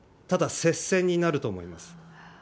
ただ、接戦になると思います。